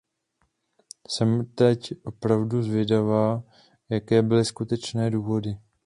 Jsem teď opravdu zvědavá, jaké byly skutečné důvody.